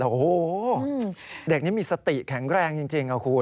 โอ้โหเด็กนี้มีสติแข็งแรงจริงคุณ